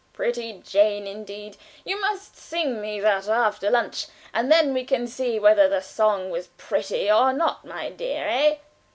"Pretty Jane, indeed! You must sing me that after lunch, and then we can see whether the song was pretty or not, my dear, eh?"